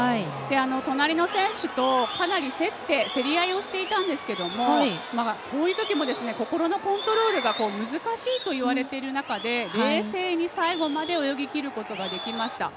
隣の選手と、かなり競り合いをしていたんですがこういうときも心のコントロールが難しいといわれている中で冷静に最後まで泳ぎきることができました。